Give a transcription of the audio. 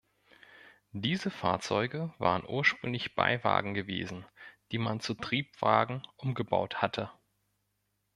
Diese Fahrzeuge waren ursprünglich Beiwagen gewesen, die man zu Triebwagen umgebaut hatte.